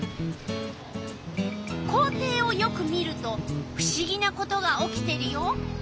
校庭をよく見るとふしぎなことが起きてるよ！